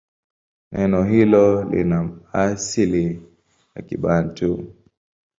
Neno hilo lina asili ya Kibantu.